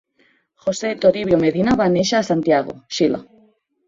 Jose Toribio Medina va néixer a Santiago, Xile.